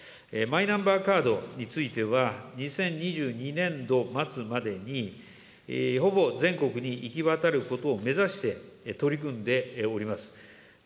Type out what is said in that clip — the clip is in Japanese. マイナンバーカードについては２０２２年度末までに、ほぼ全国に行き渡ることを目指して取り組んでおります。